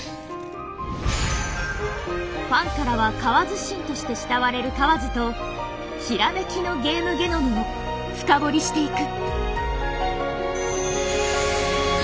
ファンからは「河津神」として慕われる河津と閃きのゲームゲノムを深掘りしていく。